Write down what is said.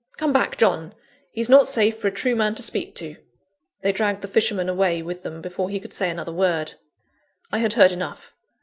Come back, John! he's not safe for a true man to speak to." They dragged the fisherman away with them before he could say another word. I had heard enough.